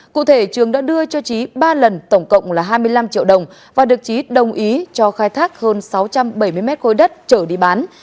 cụ thể trường đã đưa cho trí ba lần tổng cộng là hai mươi năm triệu đồng và được trí đồng ý cho khai thác hơn sáu trăm bảy mươi mét khối đất trở đi bán